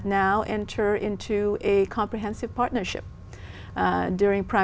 để nói cho các học sinh ở đây